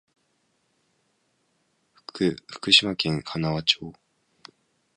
福島県塙町